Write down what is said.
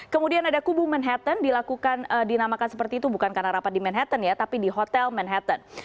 kemudian ada kubu manhattan dilakukan dinamakan seperti itu bukan karena rapat di manhattan ya tapi di hotel manhattan